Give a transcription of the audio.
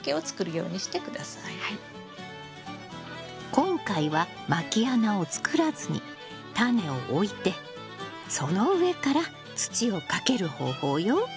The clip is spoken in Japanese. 今回はまき穴を作らずにタネを置いてその上から土をかける方法よ。